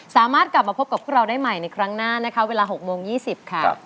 สามารถกลับมาพบกับพวกเราได้ใหม่ในครั้งหน้านะคะเวลา๖โมง๒๐ค่ะ